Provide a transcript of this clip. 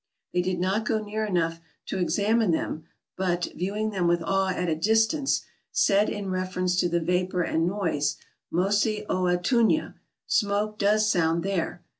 ' They did not go near enough to examine them, but, viewing them with awe at a distance, said, in reference to the vapor and noise, " Mosi oa tunya" (smoke does sound there).